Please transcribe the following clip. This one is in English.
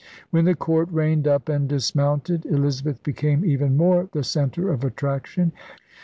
When the Court reined up and dismounted, Elizabeth became even more the centre of attraction.